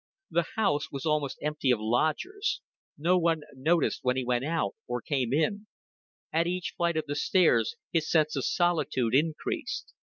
The house was almost empty of lodgers; no one noticed when he went out or came in; at each flight of the stairs his sense of solitude increased.